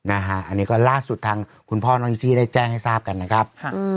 อันนี้ก็ล่าสุดทางคุณพ่อน้องนิจี้ได้แจ้งให้ทราบกันนะครับ